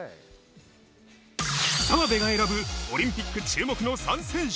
澤部が選ぶオリンピック注目の３選手。